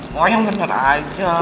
wah yang bener aja